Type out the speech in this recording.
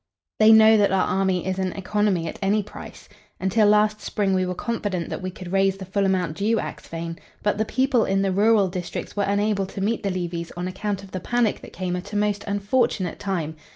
They know that our army is an economy at any price. Until last spring we were confident that we could raise the full amount due Axphain, but the people in the rural districts were unable to meet the levies on account of the panic that came at a most unfortunate time.